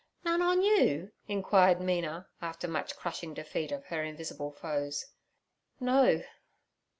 'None on you?' inquired Mina, after much crushing defeat of her invisible foes. 'No.'